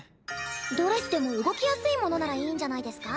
ドレスでも動きやすいものならいいんじゃないですか？